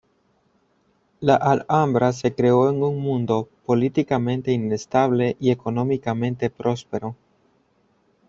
La Alhambra se creó en un mundo políticamente inestable y económicamente próspero.